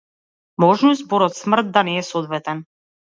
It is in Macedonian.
Можно е зборот смрт да не е соодветен.